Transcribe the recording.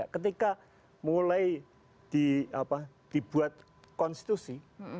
ketika mulai dibuat konstitusi